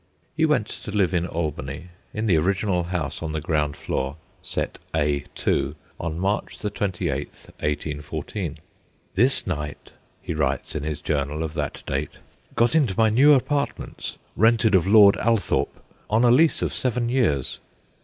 He went to live in Albany, in the original house on the ground floor, set A. 2, on March 28, 1814. 'This night/ he writes in his journal of that date, 'got into my new apartments, rented of Lord Althorpe, on a lease of seven years.